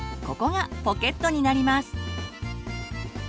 ここがポケットになります。